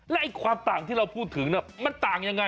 และความต่างที่เราพูดถึงมันต่างยังไง